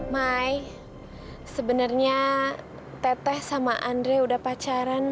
mak sebenarnya tete dan andree sudah ngelawan